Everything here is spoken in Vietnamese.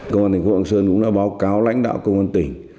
công an thành phố lạng sơn cũng đã báo cáo lãnh đạo công an tỉnh